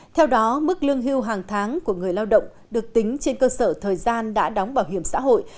theo đó mức lương hưu hàng tháng của người lao động được tính trên cơ sở thời gian đã đóng bảo hiểm xã hội